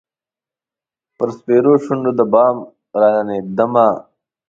پر سپیرو شونډو د بام راننېدمه